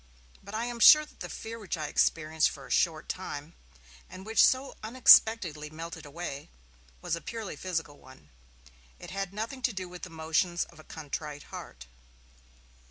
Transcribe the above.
But I am sure that the fear which I experienced for a short time, and which so unexpectedly melted away, was a purely physical one. It had nothing to do with the motions of a contrite heart.